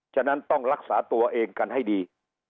ฉะนั้นต้องรักษาตัวเองกันให้ดี